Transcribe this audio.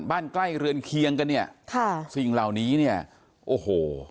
ใกล้เรือนเคียงกันเนี่ยค่ะสิ่งเหล่านี้เนี่ยโอ้โห